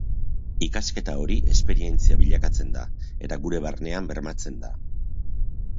Ikasketa hori esperientzia bilakatzen da, eta gure barnean bermatzen da.